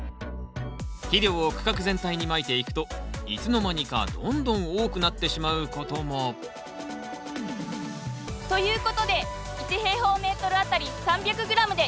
肥料を区画全体にまいていくといつの間にかどんどん多くなってしまうこともということで１あたり３００ｇでやってみます。